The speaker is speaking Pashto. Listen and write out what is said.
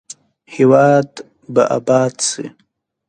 هیواد به اباد شي؟